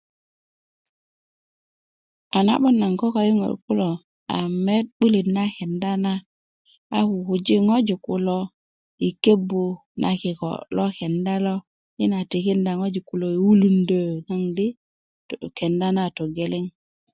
a na'but naŋ ko kayuŋölök a met 'bulit na kenda na a kukuji ŋojik kulo i kebu na kikö lo kenda lo i na tikinda ŋojik kulo i wulundö na kenda na a togeleŋ